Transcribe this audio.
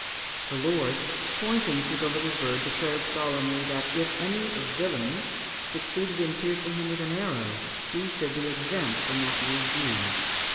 The lord, pointing to the little bird, declared solemnly, that if any 'vilain' succeeded in piercing him with an arrow he should be exempt from that year's dues.